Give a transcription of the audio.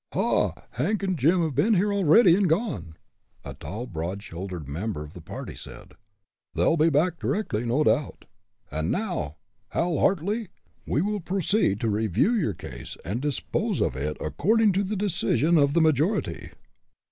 "Ha! Hank and Jim have been here already, and gone!" a tall, broad shouldered member of the party said. "They'll be back directly, no doubt. And now, Hal Hartly, we will proceed to review your case, and dispose of it according to the decision of the majority."